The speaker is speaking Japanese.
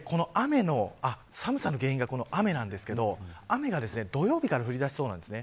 寒さの原因が、この雨なんですが雨が土曜日から降りだしそうなんです。